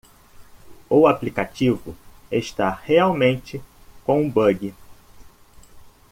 O aplicativo está realmente com um bug.